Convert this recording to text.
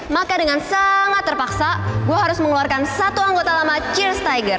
maka dengan sangat terpaksa gue harus mengeluarkan satu anggota lama cheers tiger